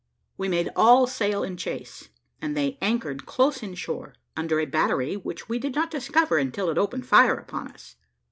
We made all sail in chase, and they anchored close in shore, under a battery, which we did not discover until it opened fire upon us.